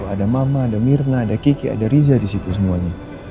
ada mama ada mirna ada kiki ada riza di situ semuanya